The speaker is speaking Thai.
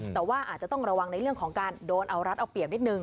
แต่ว่าอาจจะต้องระวังในเรื่องของการโดนเอารัดเอาเปรียบนิดนึ